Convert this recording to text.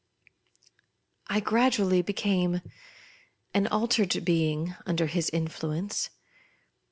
I gradually became an altered being under his influence.